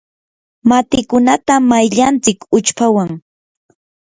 matikunata mayllantsik uchpawan.